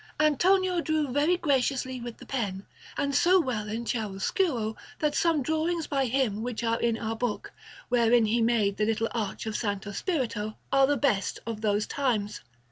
Antonio drew very graciously with the pen, and so well in chiaroscuro, that some drawings by him which are in our book, wherein he made the little arch of S. Spirito, are the best of those times.